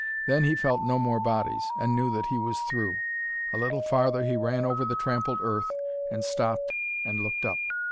Then he felt no more bodies, and knew that he was through. A little farther he ran over the trampled earth, and stopped and looked up.